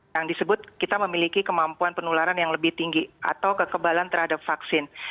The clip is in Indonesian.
yang disebut kita memiliki kemampuan penularan yang lebih tinggi atau kekebalan terhadap vaksin